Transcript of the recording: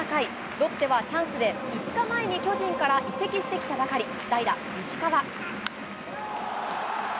ロッテはチャンスで、５日前に巨人から移籍してきたばかり、代打、石川。